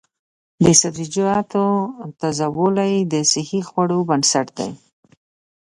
د سبزیجاتو تازه والي د صحي خوړو بنسټ دی.